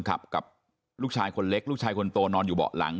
กับลูกชายคนเล็กลูกชายคนโตนอนอยู่เบาะหลัง